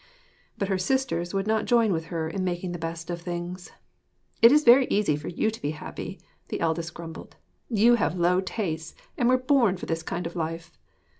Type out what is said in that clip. But her sisters would not join with her in making the best of things. 'It is very easy for you to be happy,' the eldest grumbled. 'You have low tastes and were born for this kind of life.'